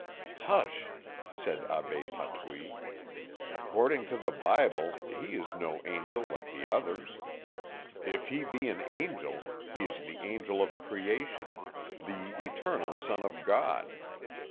"Hush," said Abbé Patouille. "According to the Bible he is no angel like the others; if he be an angel, he is the Angel of Creation, the Eternal Son of God.